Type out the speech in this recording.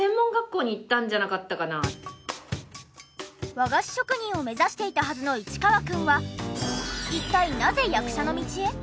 和菓子職人を目指していたはずの市川くんは一体なぜ役者の道へ？